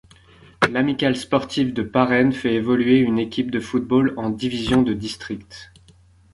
L'Amicale sportive de Parennes fait évoluer une équipe de football en division de district.